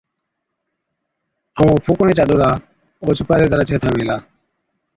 ائُون اوهچ ڦوڪڻي چا ڏورا او پهريدارا چي هٿا ۾ هِلا۔